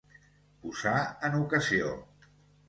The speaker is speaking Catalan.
Posar en ocasió.